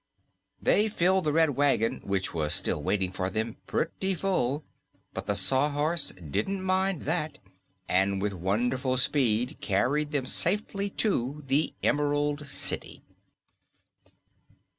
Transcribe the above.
They filled the Red Wagon, which was still waiting for them, pretty full; but the Sawhorse didn't mind that and with wonderful speed carried them safely to the Emerald City.